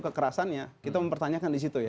kekerasannya kita mempertanyakan di situ ya